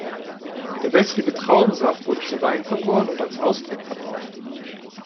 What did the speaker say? Der wässrige Traubensaft wurde zu Wein vergoren und als Haustrunk verbraucht.